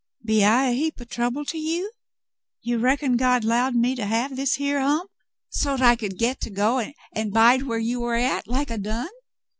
"Be I heap o' trouble to you ? You reckon God 'lowed me to have this er hump, so't I could get to go an' bide whar you were at, like I done